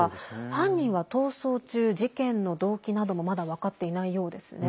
犯人は逃走中、事件の動機などもまだ分かっていないようですね。